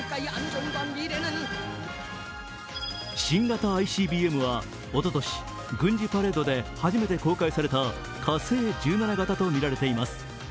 新型ＩＣＢＭは、おととし軍事パレードで初めて公開された「火星１７型」とみられています。